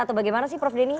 atau bagaimana sih prof denny